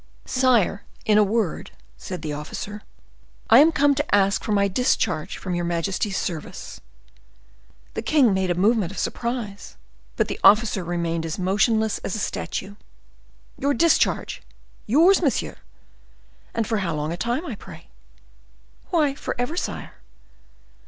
"Sire, in a word," said the officer, "I am come to ask for my discharge from your majesty's service." The king made a movement of surprise, but the officer remained as motionless as a statue. "Your discharge—yours, monsieur? and for how long a time, I pray?" "Why, forever, sire."